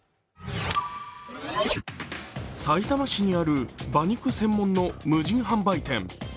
さいたま市にある馬肉専門の無人販売店。